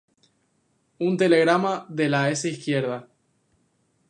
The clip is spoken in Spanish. Un telegrama de la S. Izquierda.